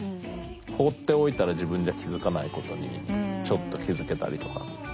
放っておいたら自分じゃ気付かないことにちょっと気付けたりとか。